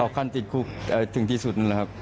ขั้นติดคุกถึงที่สุดนั่นแหละครับ